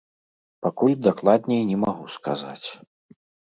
Пакуль дакладней не магу сказаць.